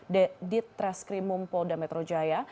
dedit treskrim mumpolda metro jaya